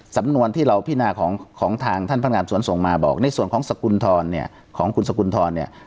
สำนวนที่เราพินาของของทางท่านท่านการสวนส่งมาบอกในส่วนของศักลฑ์คุณทองศ์เนี้ย